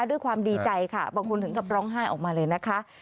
ด้วยความดีใจค่ะบางคนถึงกับร้องไห้ออกมาเลยนะคะ